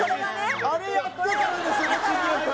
あれやってたんですよね